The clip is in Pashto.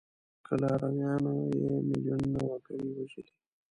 که لارویانو یې میلیونونه وګړي وژلي.